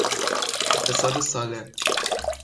اقتصاد سالم